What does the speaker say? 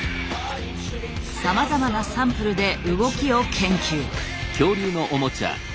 さまざまなサンプルで動きを研究。